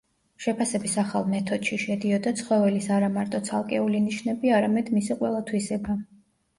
შეფასების ახალ მეთოდში შედიოდა ცხოველის არა მარტო ცალკეული ნიშნები, არამედ მისი ყველა თვისება.